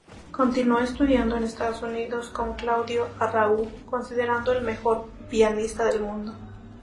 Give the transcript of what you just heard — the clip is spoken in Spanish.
Continuó estudiando en Estados Unidos con Claudio Arrau, considerado el mejor pianista del mundo.